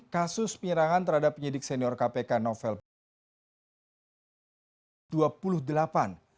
kasus penyerangan terhadap penyidik senior kpk novel baswedan